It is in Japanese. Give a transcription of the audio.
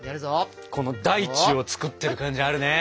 この大地を作ってる感じあるね！